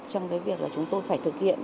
trong cái việc là chúng tôi phải thực hiện